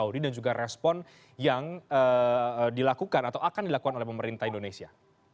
dan juga respon yang dilakukan atau akan dilakukan oleh pemerintah indonesia